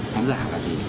khán giả là gì